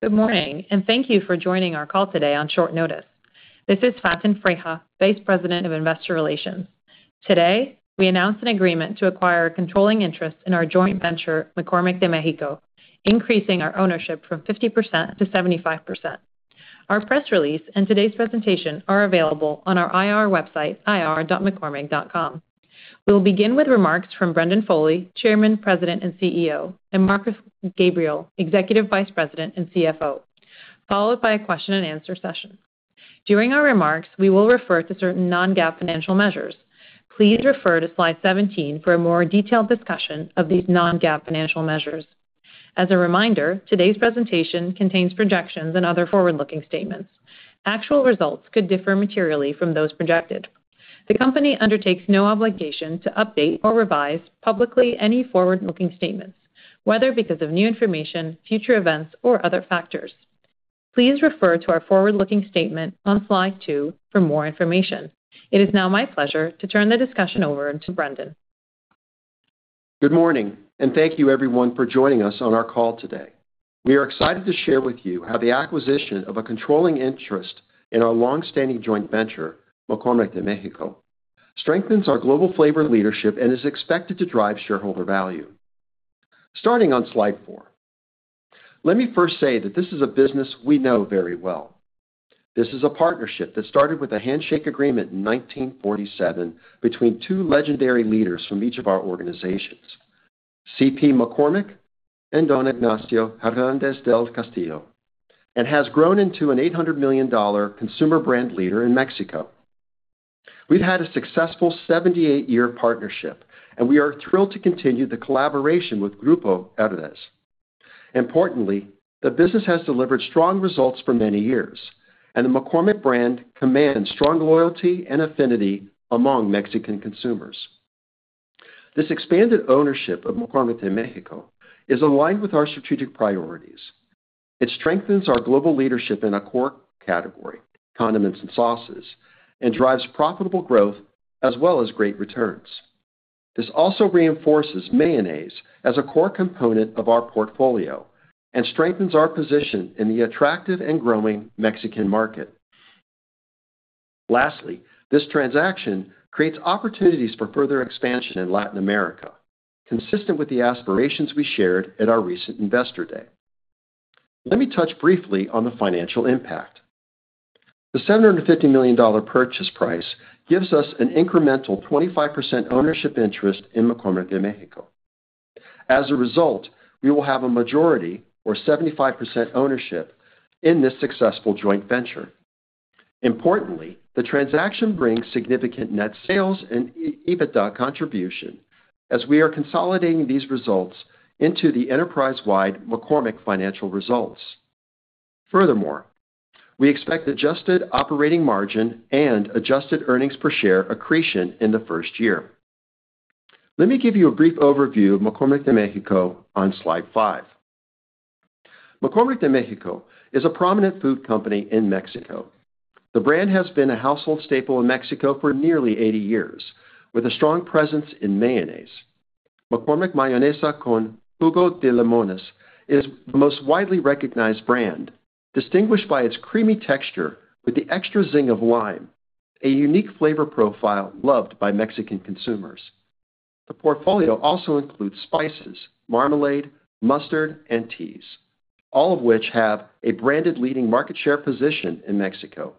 Good morning and thank you for joining our call today on short notice. This is Faten Freiha, Vice President of Investor Relations. Today, we announced an agreement to acquire controlling interest in our joint venture, McCormick de México, increasing our ownership from 50%-75%. Our press release and today's presentation are available on our IR website, ir.mccormick.com. We'll begin with remarks from Brendan Foley, Chairman, President and CEO, and Marcos Gabriel, Executive Vice President and CFO, followed by a question-and-answer session. During our remarks, we will refer to certain non-GAAP financial measures. Please refer to slide 17 for a more detailed discussion of these non-GAAP financial measures. As a reminder, today's presentation contains projections and other forward-looking statements. Actual results could differ materially from those projected. The company undertakes no obligation to update or revise publicly any forward-looking statements, whether because of new information, future events, or other factors. Please refer to our forward-looking statement on slide two for more information. It is now my pleasure to turn the discussion over to Brendan. Good morning, and thank you, everyone, for joining us on our call today. We are excited to share with you how the acquisition of a controlling interest in our longstanding joint venture, McCormick de México, strengthens our global flavor leadership and is expected to drive shareholder value. Starting on slide four, let me first say that this is a business we know very well. This is a partnership that started with a handshake agreement in 1947 between two legendary leaders from each of our organizations, C.P. McCormick and Don Ignacio Hernández del Castillo, and has grown into an $800 million consumer brand leader in Mexico. We've had a successful 78-year partnership, and we are thrilled to continue the collaboration with Grupo Herdez. Importantly, the business has delivered strong results for many years, and the McCormick brand commands strong loyalty and affinity among Mexican consumers. This expanded ownership of McCormick de México is aligned with our strategic priorities. It strengthens our global leadership in a core category, condiments and sauces, and drives profitable growth as well as great returns. This also reinforces mayonnaise as a core component of our portfolio and strengthens our position in the attractive and growing Mexican market. Lastly, this transaction creates opportunities for further expansion in Latin America, consistent with the aspirations we shared at our recent Investor Day. Let me touch briefly on the financial impact. The $750 million purchase price gives us an incremental 25% ownership interest in McCormick de México. As a result, we will have a majority, or 75% ownership, in this successful joint venture. Importantly, the transaction brings significant net sales and EBITDA contribution as we are consolidating these results into the enterprise-wide McCormick financial results. Furthermore, we expect adjusted operating margin and adjusted earnings per share accretion in the first year. Let me give you a brief overview of McCormick de México on slide five. McCormick de México is a prominent food company in Mexico. The brand has been a household staple in Mexico for nearly 80 years, with a strong presence in mayonnaise. McCormick Mayonesa con Jugo de Limones is the most widely recognized brand, distinguished by its creamy texture with the extra zing of lime, a unique flavor profile loved by Mexican consumers. The portfolio also includes spices, marmalade, mustard, and teas, all of which have a branded leading market share position in Mexico,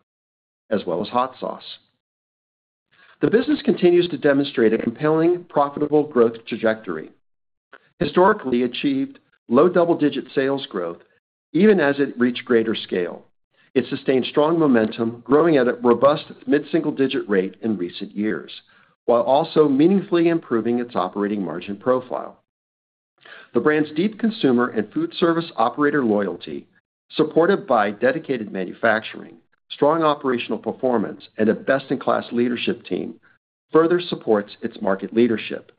as well as hot sauce. The business continues to demonstrate a compelling profitable growth trajectory. Historically, it achieved low double-digit sales growth even as it reached greater scale. It sustained strong momentum, growing at a robust mid-single-digit rate in recent years, while also meaningfully improving its operating margin profile. The brand's deep consumer and food service operator loyalty, supported by dedicated manufacturing, strong operational performance, and a best-in-class leadership team, further supports its market leadership.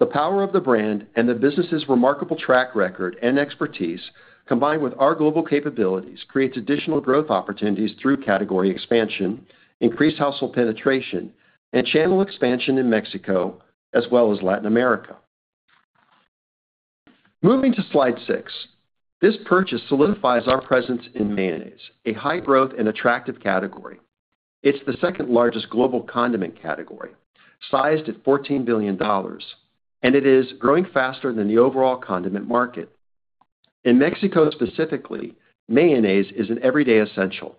The power of the brand and the business's remarkable track record and expertise, combined with our global capabilities, creates additional growth opportunities through category expansion, increased household penetration, and channel expansion in Mexico, as well as Latin America. Moving to slide six, this purchase solidifies our presence in mayonnaise, a high-growth and attractive category. It's the second-largest global condiment category, sized at $14 billion, and it is growing faster than the overall condiment market. In Mexico specifically, mayonnaise is an everyday essential,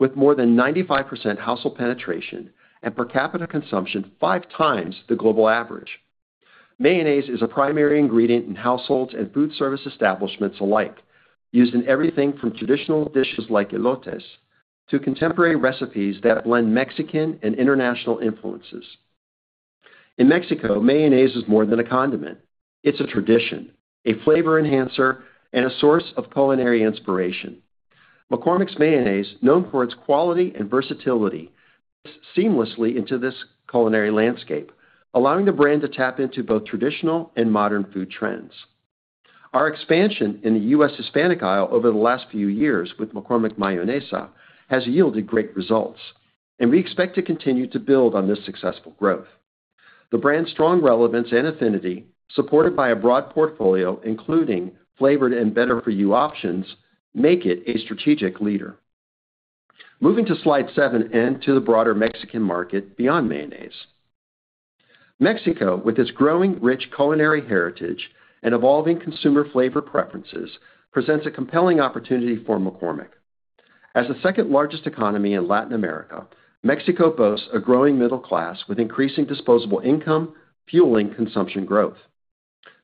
with more than 95% household penetration and per capita consumption fivex the global average. Mayonnaise is a primary ingredient in households and food service establishments alike, used in everything from traditional dishes like elotes to contemporary recipes that blend Mexican and international influences. In Mexico, mayonnaise is more than a condiment. It's a tradition, a flavor enhancer, and a source of culinary inspiration. McCormick's mayonnaise, known for its quality and versatility, fits seamlessly into this culinary landscape, allowing the brand to tap into both traditional and modern food trends. Our expansion in the U.S. Hispanic aisle over the last few years with McCormick Mayonesa has yielded great results, and we expect to continue to build on this successful growth. The brand's strong relevance and affinity, supported by a broad portfolio including flavored and better-for-you options, make it a strategic leader. Moving to slide seven and to the broader Mexican market beyond mayonnaise. Mexico, with its growing rich culinary heritage and evolving consumer flavor preferences, presents a compelling opportunity for McCormick. As the second-largest economy in Latin America, Mexico boasts a growing middle class with increasing disposable income, fueling consumption growth.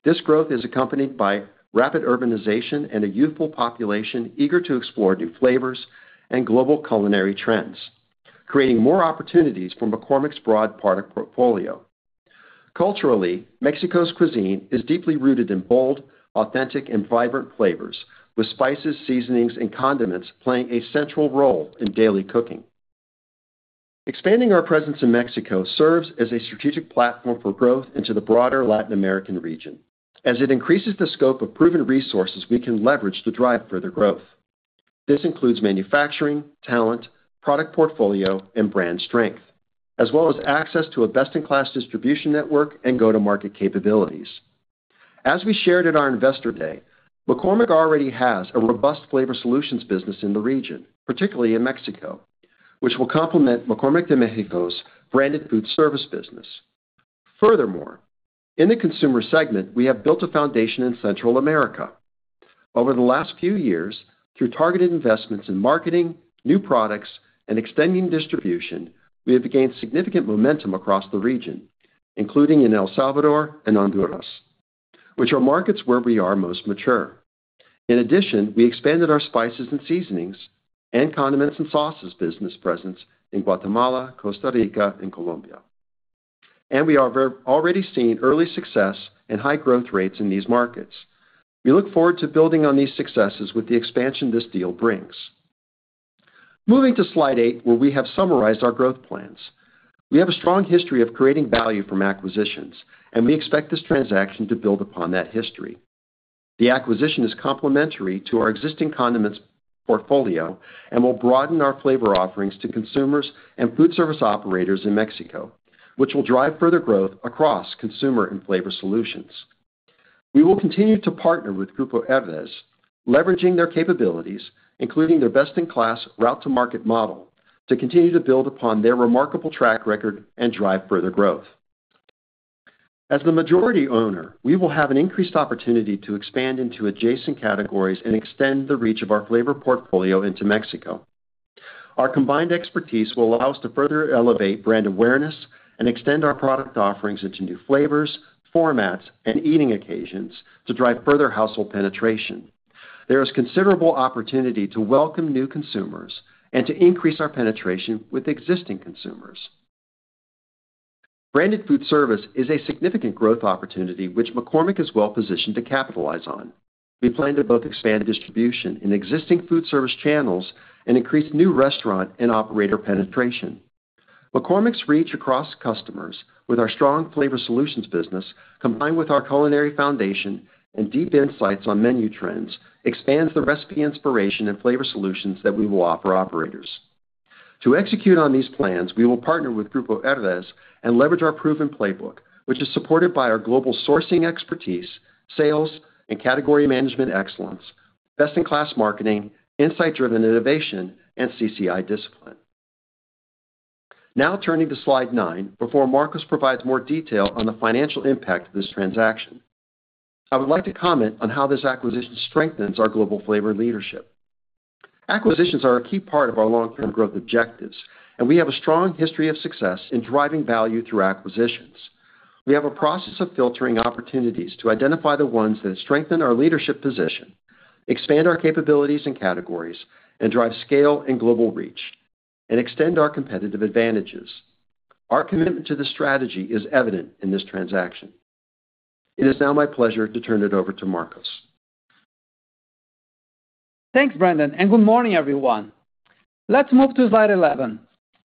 This growth is accompanied by rapid urbanization and a youthful population eager to explore new flavors and global culinary trends, creating more opportunities for McCormick's broad product portfolio. Culturally, Mexico's cuisine is deeply rooted in bold, authentic, and vibrant flavors, with spices, seasonings, and condiments playing a central role in daily cooking. Expanding our presence in Mexico serves as a strategic platform for growth into the broader Latin American region, as it increases the scope of proven resources we can leverage to drive further growth. This includes manufacturing, talent, product portfolio, and brand strength, as well as access to a best-in-class distribution network and go-to-market capabilities. As we shared at our Investor Day, McCormick already has a robust flavor solutions business in the region, particularly in Mexico, which will complement McCormick de México's branded food service business. Furthermore, in the consumer segment, we have built a foundation in Central America. Over the last few years, through targeted investments in marketing, new products, and extending distribution, we have gained significant momentum across the region, including in El Salvador and Honduras, which are markets where we are most mature. In addition, we expanded our spices and seasonings and condiments and sauces business presence in Guatemala, Costa Rica, and Colombia, and we are already seeing early success and high growth rates in these markets. We look forward to building on these successes with the expansion this deal brings. Moving to slide eight, where we have summarized our growth plans. We have a strong history of creating value from acquisitions, and we expect this transaction to build upon that history. The acquisition is complementary to our existing condiments portfolio and will broaden our flavor offerings to consumers and food service operators in Mexico, which will drive further growth across consumer and flavor solutions. We will continue to partner with Grupo Herdez, leveraging their capabilities, including their best-in-class route-to-market model, to continue to build upon their remarkable track record and drive further growth. As the majority owner, we will have an increased opportunity to expand into adjacent categories and extend the reach of our flavor portfolio into Mexico. Our combined expertise will allow us to further elevate brand awareness and extend our product offerings into new flavors, formats, and eating occasions to drive further household penetration. There is considerable opportunity to welcome new consumers and to increase our penetration with existing consumers. Branded food service is a significant growth opportunity which McCormick is well-positioned to capitalize on. We plan to both expand distribution in existing food service channels and increase new restaurant and operator penetration. McCormick's reach across customers with our strong flavor solutions business, combined with our culinary foundation and deep insights on menu trends, expands the recipe inspiration and flavor solutions that we will offer operators. To execute on these plans, we will partner with Grupo Herdez and leverage our proven playbook, which is supported by our global sourcing expertise, sales, and category management excellence, best-in-class marketing, insight-driven innovation, and CCI discipline. Now turning to slide nine, before Marcos provides more detail on the financial impact of this transaction, I would like to comment on how this acquisition strengthens our global flavor leadership. Acquisitions are a key part of our long-term growth objectives, and we have a strong history of success in driving value through acquisitions. We have a process of filtering opportunities to identify the ones that strengthen our leadership position, expand our capabilities and categories, and drive scale and global reach, and extend our competitive advantages. Our commitment to this strategy is evident in this transaction. It is now my pleasure to turn it over to Marcos. Thanks, Brendan, and good morning, everyone. Let's move to slide 11.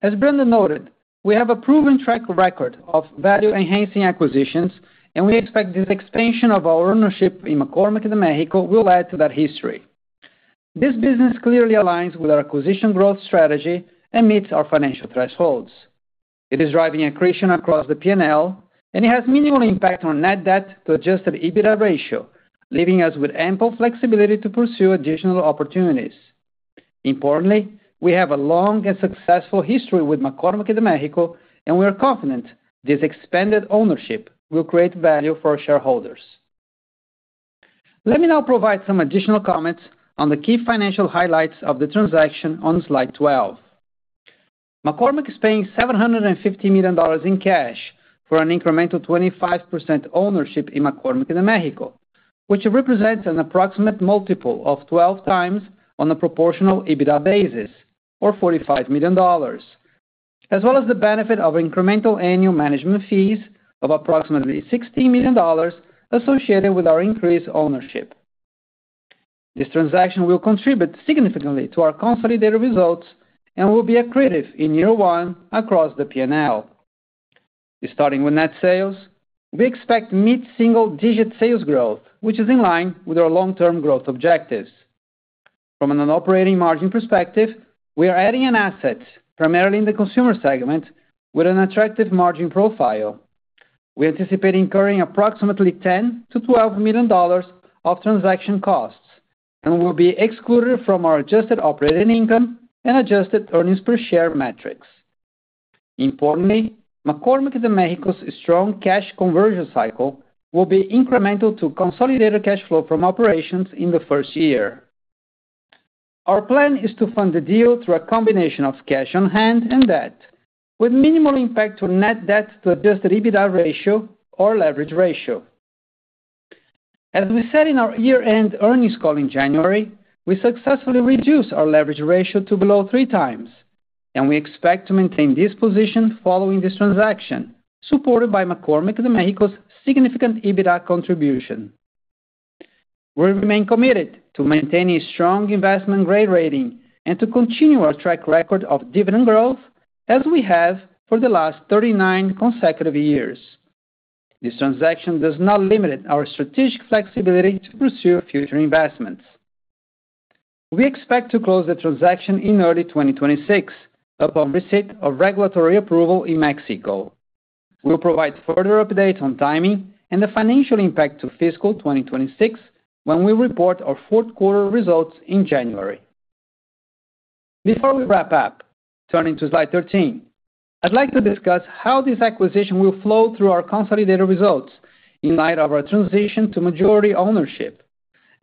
As Brendan noted, we have a proven track record of value-enhancing acquisitions, and we expect the expansion of our ownership in McCormick de México will add to that history. This business clearly aligns with our acquisition growth strategy and meets our financial thresholds. It is driving accretion across the P&L, and it has minimal impact on net debt to adjusted EBITDA ratio, leaving us with ample flexibility to pursue additional opportunities. Importantly, we have a long and successful history with McCormick de México, and we are confident this expanded ownership will create value for our shareholders. Let me now provide some additional comments on the key financial highlights of the transaction on slide 12. McCormick is paying $750 million in cash for an incremental 25% ownership in McCormick de México, which represents an approximate multiple of 12x on a proportional EBITDA basis, or $45 million, as well as the benefit of incremental annual management fees of approximately $16 million associated with our increased ownership. This transaction will contribute significantly to our consolidated results and will be accretive in year one across the P&L. Starting with net sales, we expect mid-single-digit sales growth, which is in line with our long-term growth objectives. From an operating margin perspective, we are adding in assets, primarily in the consumer segment, with an attractive margin profile. We anticipate incurring approximately $10 to $12 million of transaction costs, and these will be excluded from our adjusted operating income and adjusted earnings per share metrics. Importantly, McCormick de México's strong cash conversion cycle will be incremental to consolidated cash flow from operations in the first year. Our plan is to fund the deal through a combination of cash on hand and debt, with minimal impact on net debt to adjusted EBITDA ratio or leverage ratio. As we said in our year-end earnings call in January, we successfully reduced our leverage ratio to below threex, and we expect to maintain this position following this transaction, supported by McCormick de México's significant EBITDA contribution. We remain committed to maintaining a strong investment-grade rating and to continue our track record of dividend growth, as we have for the last 39 consecutive years. This transaction does not limit our strategic flexibility to pursue future investments. We expect to close the transaction in early 2026, upon receipt of regulatory approval in Mexico. We'll provide further updates on timing and the financial impact to fiscal 2026 when we report our fourth quarter results in January. Before we wrap up, turning to slide 13, I'd like to discuss how this acquisition will flow through our consolidated results in light of our transition to majority ownership,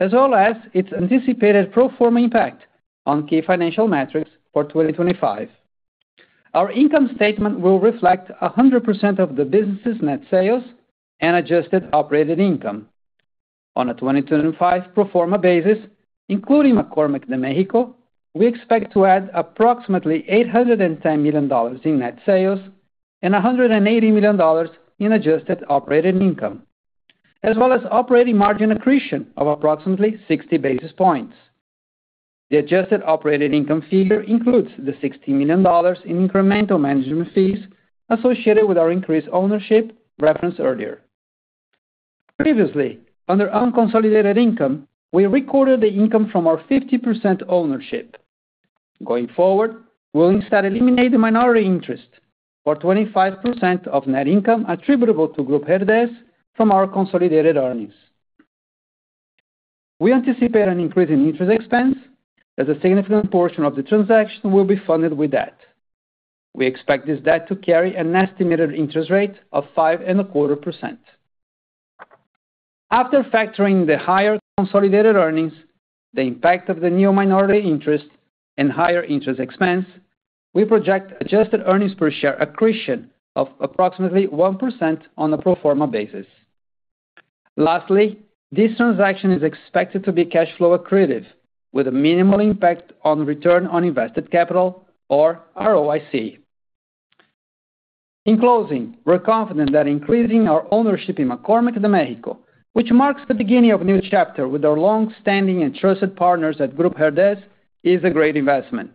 as well as its anticipated pro forma impact on key financial metrics for 2025. Our income statement will reflect 100% of the business's net sales and adjusted operating income. On a 2025 pro forma basis, including McCormick de México, we expect to add approximately $810 million in net sales and $180 million in adjusted operating income, as well as operating margin accretion of approximately 60 basis points. The adjusted operating income figure includes the $60 million in incremental management fees associated with our increased ownership referenced earlier. Previously, under unconsolidated income, we recorded the income from our 50% ownership. Going forward, we'll instead eliminate the minority interest or 25% of net income attributable to Grupo Herdez from our consolidated earnings. We anticipate an increase in interest expense, as a significant portion of the transaction will be funded with debt. We expect this debt to carry an estimated interest rate of 5.25%. After factoring the higher consolidated earnings, the impact of the new minority interest, and higher interest expense, we project adjusted earnings per share accretion of approximately 1% on a pro forma basis. Lastly, this transaction is expected to be cash flow accretive, with a minimal impact on return on invested capital, or ROIC. In closing, we're confident that increasing our ownership in McCormick de México, which marks the beginning of a new chapter with our longstanding and trusted partners at Grupo Herdez, is a great investment.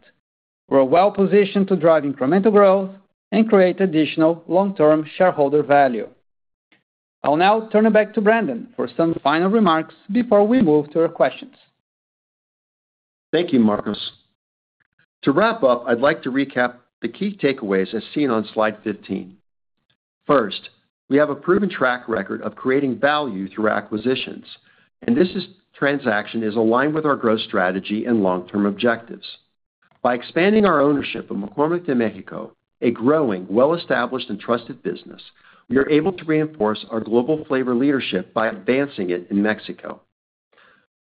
We're well-positioned to drive incremental growth and create additional long-term shareholder value. I'll now turn it back to Brendan for some final remarks before we move to our questions. Thank you, Marcos. To wrap up, I'd like to recap the key takeaways as seen on slide 15. First, we have a proven track record of creating value through acquisitions, and this transaction is aligned with our growth strategy and long-term objectives. By expanding our ownership of McCormick de México, a growing, well-established, and trusted business, we are able to reinforce our global flavor leadership by advancing it in Mexico,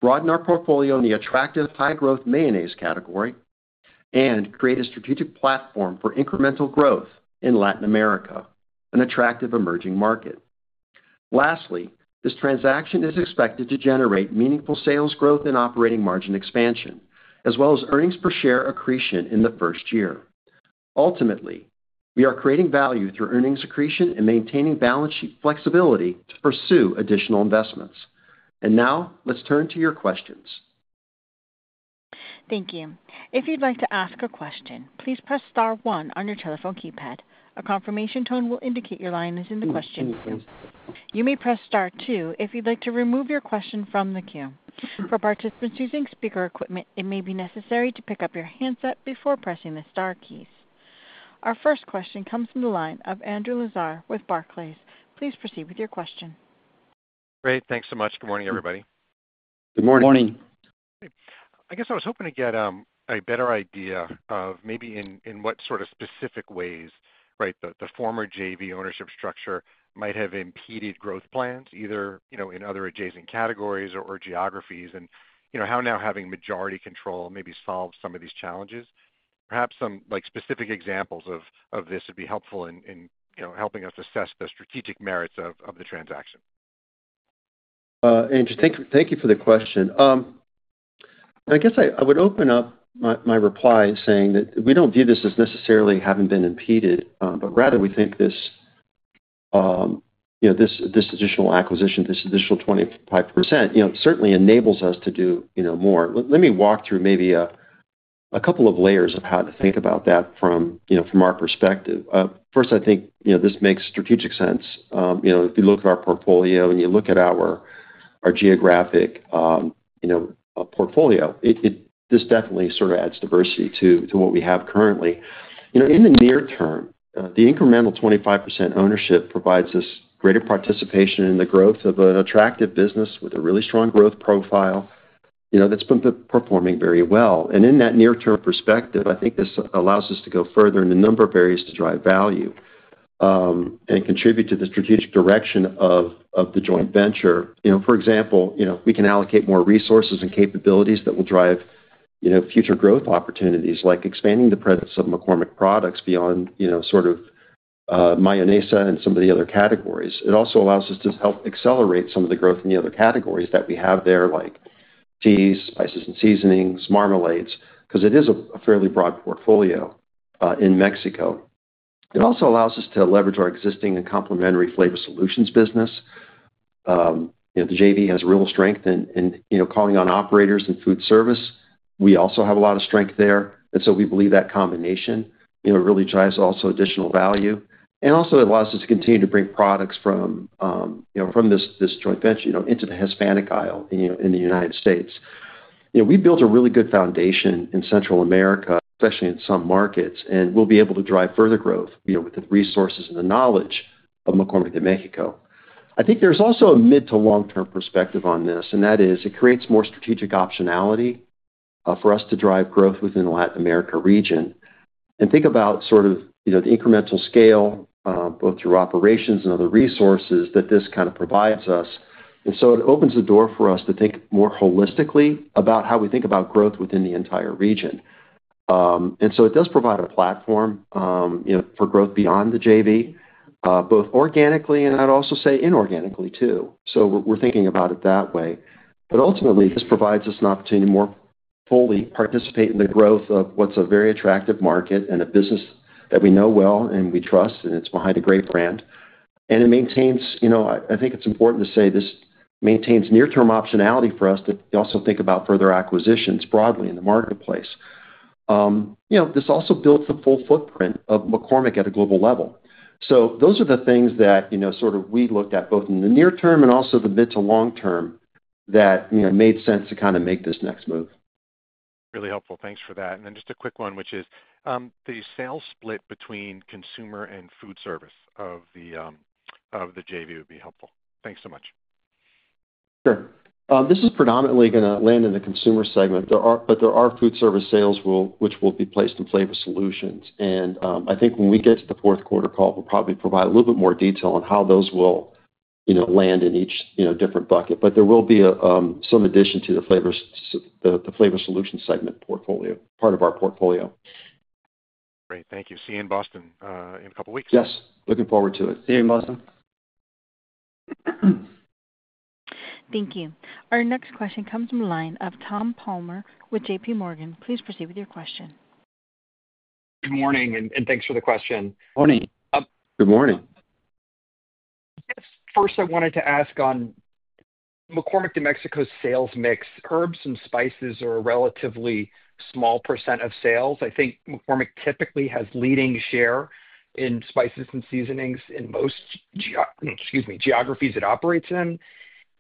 broaden our portfolio in the attractive high-growth mayonnaise category, and create a strategic platform for incremental growth in Latin America, an attractive emerging market. Lastly, this transaction is expected to generate meaningful sales growth and operating margin expansion, as well as earnings per share accretion in the first year. Ultimately, we are creating value through earnings accretion and maintaining balance sheet flexibility to pursue additional investments. Now, let's turn to your questions. Thank you. If you'd like to ask a question, please press star one on your telephone keypad. A confirmation tone will indicate your line is in the questions. You may press star two if you'd like to remove your question from the queue. For participants using speaker equipment, it may be necessary to pick up your handset before pressing the star keys. Our first question comes from the line of Andrew Lazar with Barclays. Please proceed with your question. Great, thanks so much. Good morning, everybody. Good morning. Morning. I guess I was hoping to get a better idea of maybe in what sort of specific ways the former joint venture ownership structure might have impeded growth plans, either in other adjacent categories or geographies, and how now having majority control maybe solves some of these challenges. Perhaps some specific examples of this would be helpful in helping us assess the strategic merits of the transaction. Andrew, thank you for the question. I guess I would open up my reply saying that we don't view this as necessarily having been impeded, but rather we think this additional acquisition, this additional 25% certainly enables us to do more. Let me walk through maybe a couple of layers of how to think about that from our perspective. First, I think this makes strategic sense. If you look at our portfolio and you look at our geographic portfolio, this definitely sort of adds diversity to what we have currently. In the near term, the incremental 25% ownership provides us greater participation in the growth of an attractive business with a really strong growth profile that's been performing very well. In that near-term perspective, I think this allows us to go further in a number of areas to drive value and contribute to the strategic direction of the joint venture. For example, we can allocate more resources and capabilities that will drive future growth opportunities, like expanding the presence of McCormick products beyond sort of mayonnaise and some of the other categories. It also allows us to help accelerate some of the growth in the other categories that we have there, like teas, spices, and seasonings, marmalades, because it is a fairly broad portfolio in Mexico. It also allows us to leverage our existing and complementary flavor solutions business. The joint venture has real strength in calling on operators and food service. We also have a lot of strength there, and we believe that combination really drives also additional value. It also allows us to continue to bring products from this joint venture into the Hispanic aisle in the United States. We built a really good foundation in Central America, especially in some markets, and we'll be able to drive further growth with the resources and the knowledge of McCormick de México. I think there's also a mid-to-long-term perspective on this, and that is it creates more strategic optionality for us to drive growth within the Latin America region and think about sort of the incremental scale, both through operations and other resources that this kind of provides us. It opens the door for us to think more holistically about how we think about growth within the entire region. It does provide a platform for growth beyond the joint venture, both organically and I'd also say inorganically, too. We're thinking about it that way. Ultimately, this provides us an opportunity to more fully participate in the growth of what's a very attractive market and a business that we know well and we trust, and it's behind a great brand. It maintains, I think it's important to say, this maintains near-term optionality for us to also think about further acquisitions broadly in the marketplace. This also builds the full footprint of McCormick at a global level. Those are the things that we looked at both in the near term and also the mid-to-long term that made sense to kind of make this next move. Really helpful. Thanks for that. Just a quick one, which is the sales split between consumer and food service of the JV would be helpful. Thanks so much. Sure. This is predominantly going to land in the consumer segment, but there are food service sales which will be placed in Flavor Solutions. I think when we get to the fourth quarter call, we'll probably provide a little bit more detail on how those will land in each different bucket. There will be some addition to the Flavor Solutions segment portfolio, part of our portfolio. Great. Thank you. See you in Boston in a couple of weeks. Yes, looking forward to it. See you in Boston. Thank you. Our next question comes from the line of Tom Palmer with JPMorgan. Please proceed with your question. Good morning, and thanks for the question. Morning. Good morning. First, I wanted to ask on McCormick de México's sales mix. Herbs and spices are a relatively small percentage of sales. I think McCormick typically has leading share in spices and seasonings in most geographies it operates in.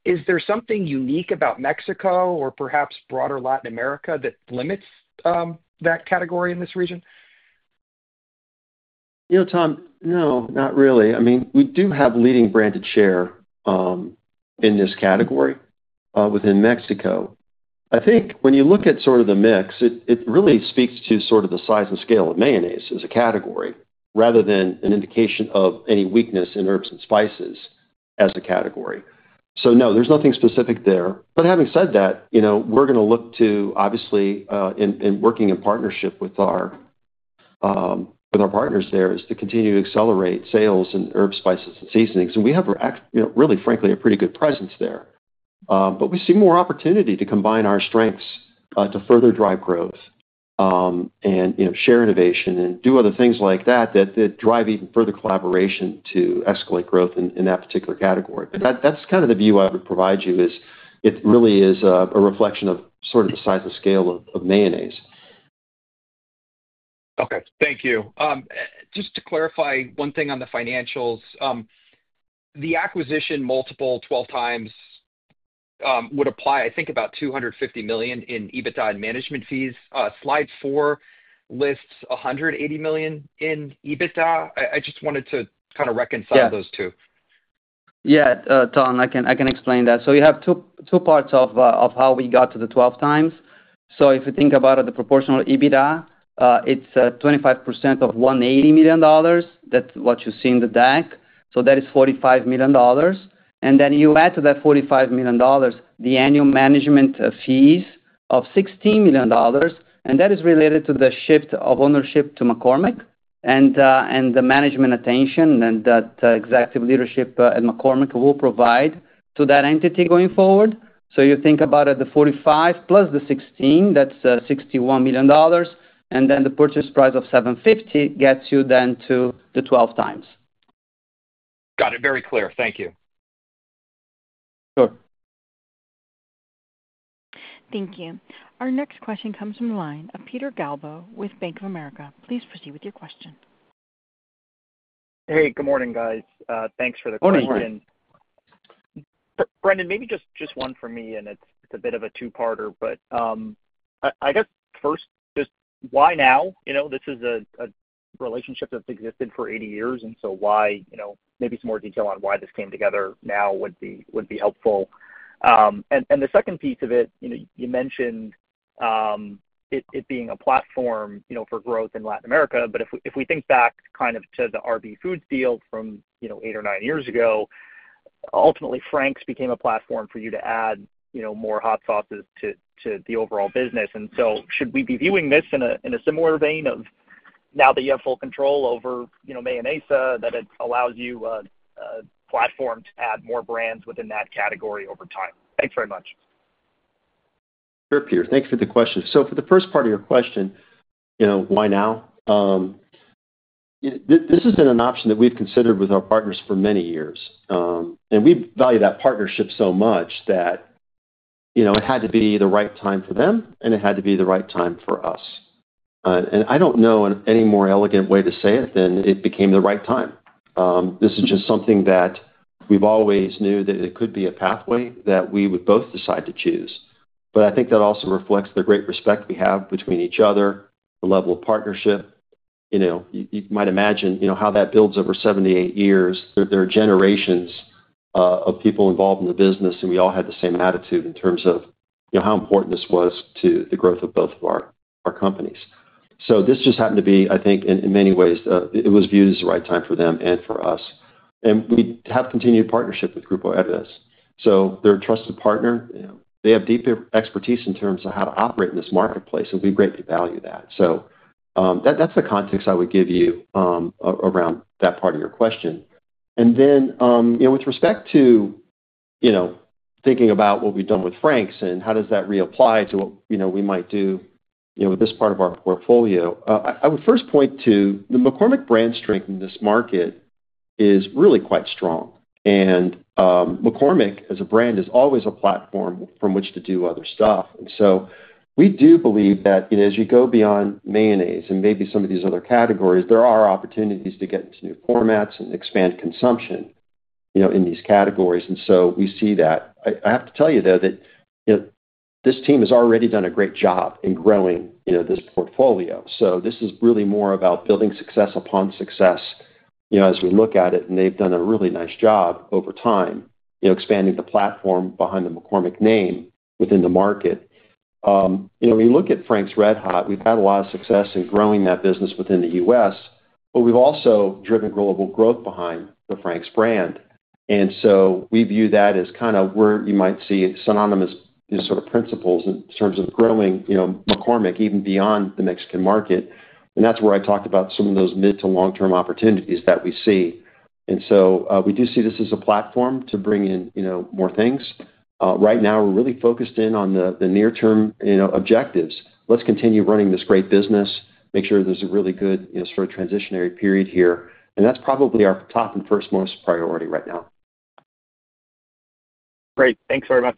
Is there something unique about Mexico or perhaps broader Latin America that limits that category in this region? You know, Tom, no, not really. I mean, we do have leading branded share in this category within Mexico. I think when you look at sort of the mix, it really speaks to sort of the size and scale of mayonnaise as a category, rather than an indication of any weakness in herbs and spices as a category. There is nothing specific there. Having said that, we're going to look to, obviously, in working in partnership with our partners there, continue to accelerate sales in herbs, spices, and seasonings. We have really, frankly, a pretty good presence there. We see more opportunity to combine our strengths to further drive growth and share innovation and do other things like that that drive even further collaboration to escalate growth in that particular category. That's kind of the view I would provide you, it really is a reflection of sort of the size and scale of mayonnaise. OK, thank you. Just to clarify one thing on the financials, the acquisition multiple 12x would apply, I think, about $250 million in EBITDA and management fees. Slide four lists $180 million in EBITDA. I just wanted to kind of reconcile those two. Yeah, Tom, I can explain that. You have two parts of how we got to the 12x. If you think about it, the proportional EBITDA, it's 25% of $180 million. That's what you see in the deck. That is $45 million. You add to that $45 million the annual management fees of $16 million. That is related to the shift of ownership to McCormick and the management attention that the executive leadership at McCormick will provide to that entity going forward. You think about it, the $45 plus the $16, that's $61 million. The purchase price of $750 million gets you then to the 12x. Got it. Very clear. Thank you. Thank you. Our next question comes from the line of Peter Galbo with Bank of America. Please proceed with your question. Hey, good morning, guys. Thanks for the question. Morning. Brendan, maybe just one for me, and it's a bit of a two-parter. I guess first, just why now? You know, this is a relationship that's existed for 80 years, so maybe some more detail on why this came together now would be helpful. The second piece of it, you mentioned it being a platform for growth in Latin America. If we think back to the RV foods deal from eight or nine years ago, ultimately, Frank's became a platform for you to add more hot sauces to the overall business. Should we be viewing this in a similar vein of now that you have full control over mayonnaise, that it allows you a platform to add more brands within that category over time? Thanks very much. Sure, Peter. Thanks for the question. For the first part of your question, you know, why now? This has been an option that we've considered with our partners for many years. We value that partnership so much that it had to be the right time for them, and it had to be the right time for us. I don't know any more elegant way to say it than it became the right time. This is just something that we've always knew that it could be a pathway that we would both decide to choose. I think that also reflects the great respect we have between each other, the level of partnership. You might imagine how that builds over 78 years. There are generations of people involved in the business, and we all had the same attitude in terms of how important this was to the growth of both of our companies. This just happened to be, I think, in many ways, it was viewed as the right time for them and for us. We have continued partnership with Grupo Herdez. They're a trusted partner. They have deep expertise in terms of how to operate in this marketplace, and we greatly value that. That's the context I would give you around that part of your question. With respect to thinking about what we've done with Frank's and how does that reapply to what we might do with this part of our portfolio, I would first point to the McCormick brand strength in this market is really quite strong. McCormick, as a brand, is always a platform from which to do other stuff. We do believe that as we go beyond mayonnaise and maybe some of these other categories, there are opportunities to get into new formats and expand consumption in these categories. We see that. I have to tell you, though, that this team has already done a great job in growing this portfolio. This is really more about building success upon success as we look at it. They've done a really nice job over time, expanding the platform behind the McCormick name within the market. When you look at Frank's RedHot, we've had a lot of success in growing that business within the U.S., but we've also driven global growth behind the Frank's brand. We view that as kind of where you might see synonymous sort of principles in terms of growing McCormick even beyond the Mexican market. That's where I talked about some of those mid-to-long-term opportunities that we see. We do see this as a platform to bring in more things. Right now, we're really focused in on the near-term objectives. Let's continue running this great business, make sure there's a really good sort of transitionary period here. That's probably our top and first-most priority right now. Great, thanks very much.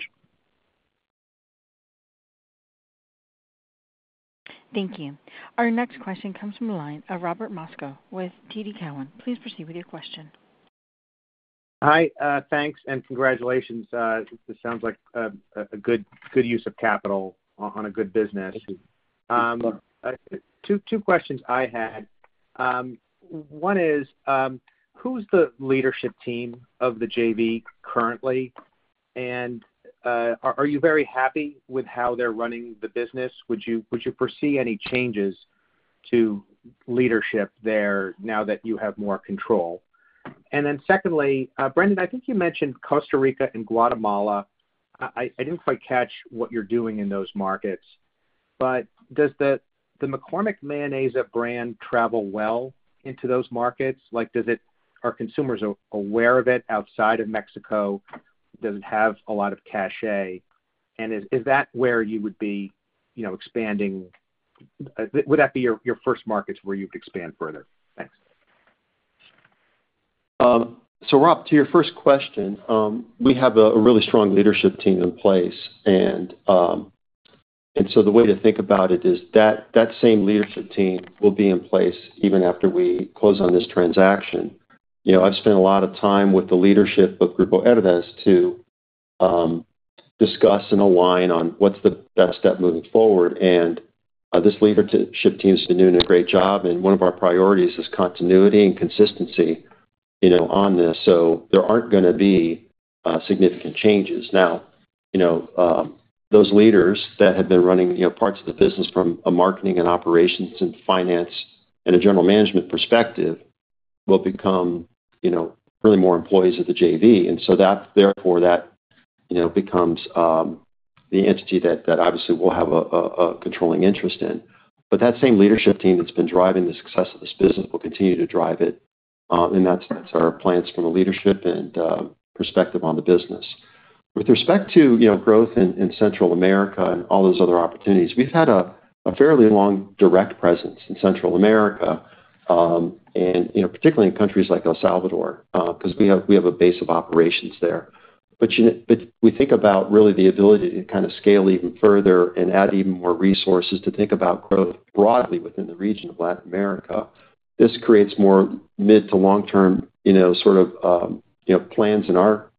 Thank you. Our next question comes from the line of Robert Moskow with TD Cowen. Please proceed with your question. Hi. Thanks and congratulations. This sounds like a good use of capital on a good business. Two questions I had. One is, who's the leadership team of the JV currently? Are you very happy with how they're running the business? Would you foresee any changes to leadership there now that you have more control? Secondly, Brendan, I think you mentioned Costa Rica and Guatemala. I didn't quite catch what you're doing in those markets. Does the McCormick mayonnaise brand travel well into those markets? Are consumers aware of it outside of Mexico? Does it have a lot of cache? Is that where you would be expanding? Would that be your first markets where you'd expand further? Rob, to your first question, we have a really strong leadership team in place. The way to think about it is that same leadership team will be in place even after we close on this transaction. I've spent a lot of time with the leadership of Grupo Herdez to discuss and align on what's the best step moving forward. This leadership team's been doing a great job. One of our priorities is continuity and consistency on this. There are not going to be significant changes. Those leaders that have been running parts of the business from a marketing and operations and finance and a general management perspective will become really more employees of the JV. Therefore, that becomes the entity that obviously we'll have a controlling interest in. That same leadership team that's been driving the success of this business will continue to drive it. That's our plans from a leadership and perspective on the business. With respect to growth in Central America and all those other opportunities, we've had a fairly long direct presence in Central America, particularly in countries like El Salvador, because we have a base of operations there. We think about really the ability to kind of scale even further and add even more resources to think about growth broadly within the region of Latin America. This creates more mid-to-long-term sort of plans in our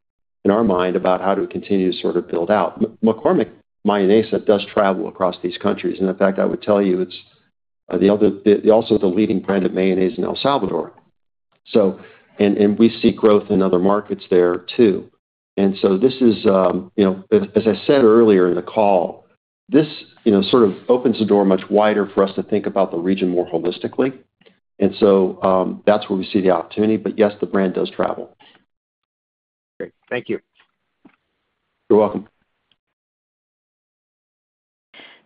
mind about how to continue to sort of build out. McCormick mayonnaise does travel across these countries. In fact, I would tell you, it's also the leading branded mayonnaise in El Salvador. We see growth in other markets there, too. This, as I said earlier in the call, sort of opens the door much wider for us to think about the region more holistically. That's where we see the opportunity. Yes, the brand does travel. Great, thank you. You're welcome.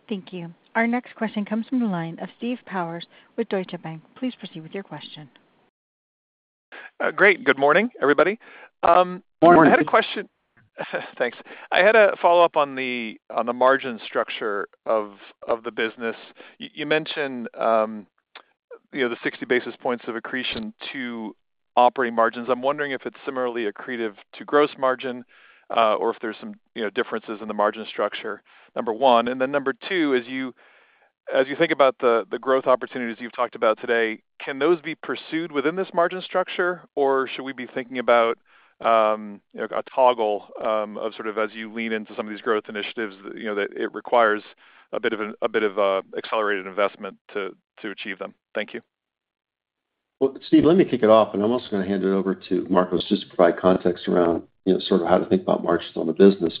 Thank you. Our next question comes from the line of Steve Powers with Deutsche Bank. Please proceed with your question. Great. Good morning, everybody. Morning. I had a question. Thanks. I had a follow-up on the margin structure of the business. You mentioned the 60 basis points of accretion to operating margin. I'm wondering if it's similarly accretive to gross margin or if there's some differences in the margin structure, number one. Number two, as you think about the growth opportunities you've talked about today, can those be pursued within this margin structure, or should we be thinking about a toggle of sort of as you lean into some of these growth initiatives that it requires a bit of accelerated investment to achieve them? Thank you. Steve, let me kick it off. I'm also going to hand it over to Marcos just to provide context around how to think about margins on the business.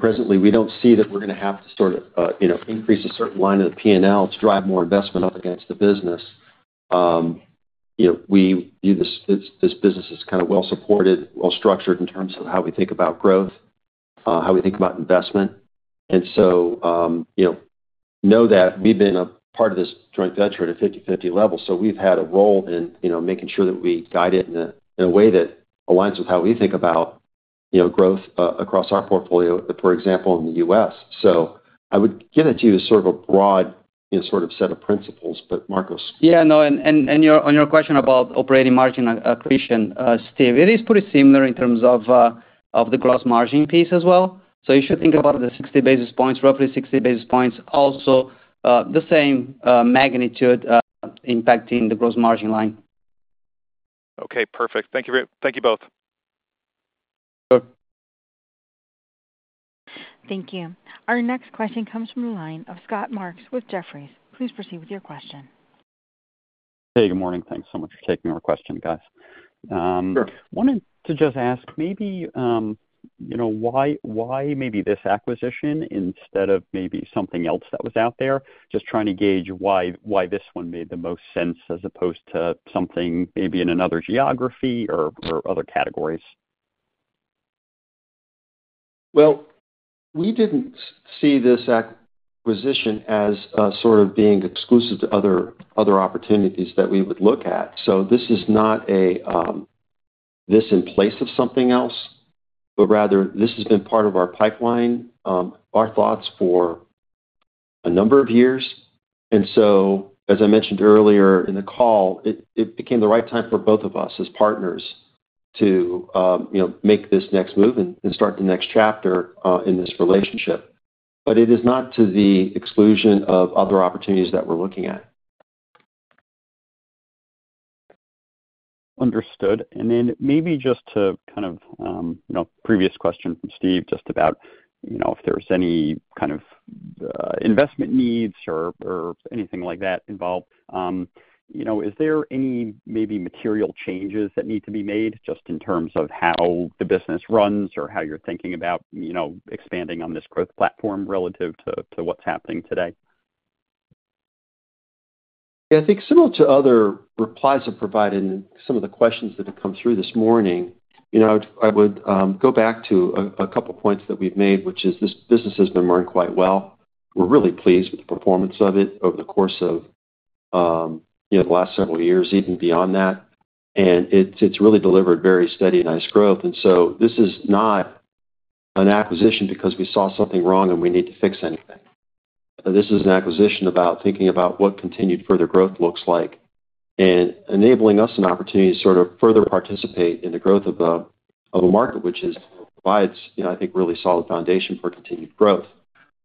Presently, we don't see that we're going to have to increase a certain line of the P&L to drive more investment up against the business. We view this business as well-supported, well-structured in terms of how we think about growth, how we think about investment. Know that we've been a part of this joint venture at a 50/50 level. We've had a role in making sure that we guide it in a way that aligns with how we think about growth across our portfolio, for example, in the U.S. I would give it to you as a broad set of principles, but Marcos. No. On your question about operating margin accretion, Steve, it is pretty similar in terms of the gross margin piece as well. You should think about the 60 basis points, roughly 60 basis points, also the same magnitude impacting the gross margin line. OK, perfect. Thank you both. Sure. Thank you. Our next question comes from the line of Scott Marks with Jefferies. Please proceed with your question. Hey, good morning. Thanks so much for taking our question, guys. Sure. Wanted to just ask maybe why this acquisition instead of something else that was out there, just trying to gauge why this one made the most sense as opposed to something in another geography or other categories. We didn't see this acquisition as being exclusive to other opportunities that we would look at. This is not this in place of something else, but rather this has been part of our pipeline, our thoughts for a number of years. As I mentioned earlier in the call, it became the right time for both of us as partners to make this next move and start the next chapter in this relationship. It is not to the exclusion of other opportunities that we're looking at. Understood. Maybe just to kind of previous question from Steve just about if there's any kind of investment needs or anything like that involved, is there any maybe material changes that need to be made just in terms of how the business runs or how you're thinking about expanding on this growth platform relative to what's happening today? I think similar to other replies I provided in some of the questions that have come through this morning, I would go back to a couple of points that we've made, which is this business has been run quite well. We're really pleased with the performance of it over the course of the last several years, even beyond that. It's really delivered very steady and nice growth. This is not an acquisition because we saw something wrong and we need to fix anything. This is an acquisition about thinking about what continued further growth looks like and enabling us an opportunity to sort of further participate in the growth of a market, which is why it's, I think, a really solid foundation for continued growth.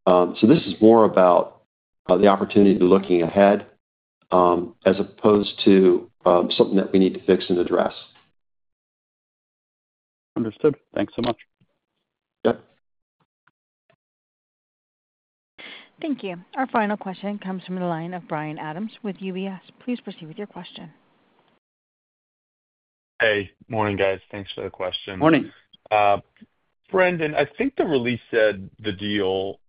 This is more about the opportunity looking ahead as opposed to something that we need to fix and address. Understood. Thanks so much. Yeah. Thank you. Our final question comes from the line of Bryan Adams with UBS. Please proceed with your question. Hey, morning, guys. Thanks for the question. Morning. Brendan, I think the release said the deal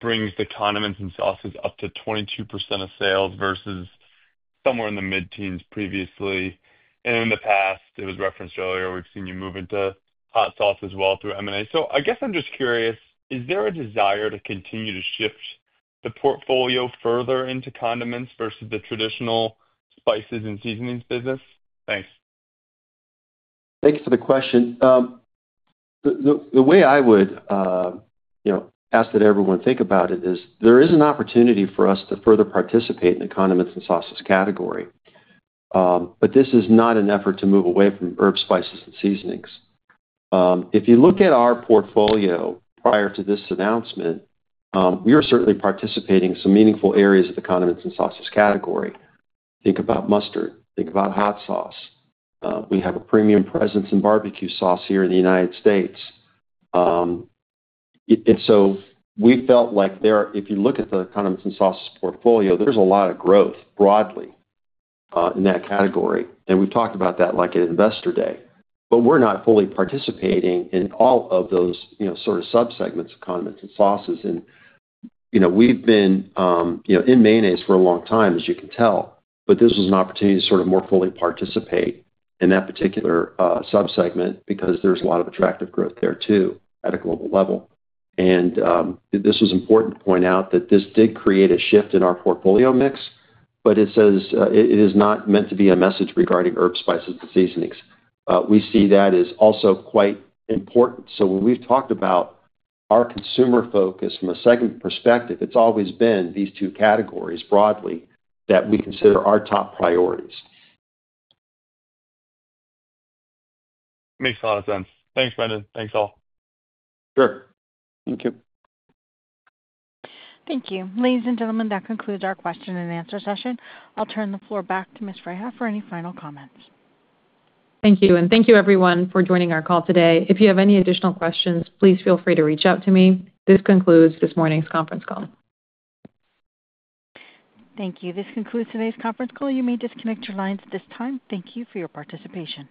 brings the condiments and sauces up to 22% of sales versus somewhere in the mid-teens previously. In the past, it was referenced earlier, we've seen you move into hot sauce as well through M&A. I'm just curious, is there a desire to continue to shift the portfolio further into condiments versus the traditional spices and seasonings business? Thanks. Thanks for the question. The way I would ask that everyone think about it is there is an opportunity for us to further participate in the condiments and sauces category. This is not an effort to move away from herbs, spices, and seasonings. If you look at our portfolio prior to this announcement, we are certainly participating in some meaningful areas of the condiments and sauces category. Think about mustard. Think about hot sauce. We have a premium presence in barbecue sauce here in the United States. We felt like there, if you look at the condiments and sauces portfolio, there's a lot of growth broadly in that category. We've talked about that like at investor day. We're not fully participating in all of those sort of subsegments of condiments and sauces. We've been in mayonnaise for a long time, as you can tell. This was an opportunity to sort of more fully participate in that particular subsegment because there's a lot of attractive growth there, too, at a global level. This was important to point out that this did create a shift in our portfolio mix, but it is not meant to be a message regarding herbs, spices, and seasonings. We see that as also quite important. When we've talked about our consumer focus from a segment perspective, it's always been these two categories broadly that we consider our top priorities. Makes a lot of sense. Thanks, Brendan. Thanks all. Sure. Thank you. Thank you. Ladies and gentlemen, that concludes our question-and-answer session. I'll turn the floor back to Ms. Freiha for any final comments. Thank you. Thank you, everyone, for joining our call today. If you have any additional questions, please feel free to reach out to me. This concludes this morning's conference call. Thank you. This concludes today's conference call. You may disconnect your lines at this time. Thank you for your participation.